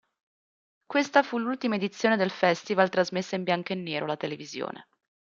Questa fu l'ultima edizione del Festival trasmessa in bianco e nero alla televisione.